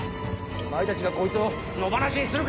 お前たちがこいつを野放しにするからだろ！